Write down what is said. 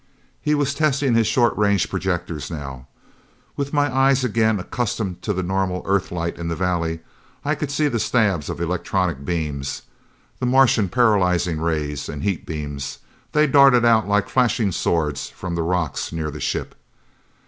He was testing his short range projectors now. With my eyes again accustomed to the normal Earthlight in the valley, I could see the stabs of electronic beams, the Martian paralyzing rays and heat beams. They darted out like flashing swords from the rocks near the ship.